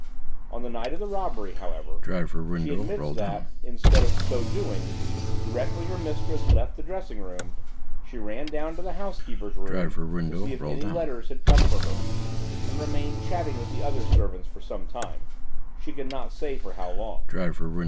On the night of the robbery, however, she admits that, instead of so doing, directly her mistress left the dressing room, she ran down to the housekeeper's room to see if any letters had come for her, and remained chatting with the other servants for some time–she could not say for how long.